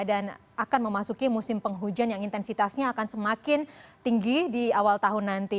dan akan memasuki musim penghujan yang intensitasnya akan semakin tinggi di awal tahun nanti